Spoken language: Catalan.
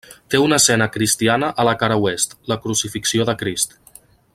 Té una escena cristiana a la cara oest: la crucifixió de Crist.